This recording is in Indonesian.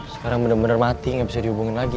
sekarang bener bener mati gak bisa dihubungin lagi